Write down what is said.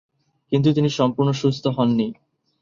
কিন্তু সম্পূর্ণ সুস্থ হননি।